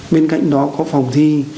bên cạnh đó có phòng thi